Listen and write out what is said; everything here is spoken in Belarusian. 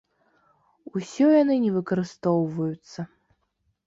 Усё яны не выкарыстоўваюцца!